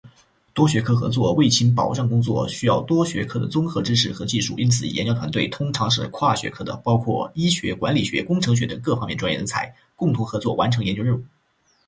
多学科合作：卫勤保障工作需要多学科的综合知识和技术，因此研究团队通常是跨学科的，包括医学、管理学、工程学等各方面专业人士，共同合作完成研究任务。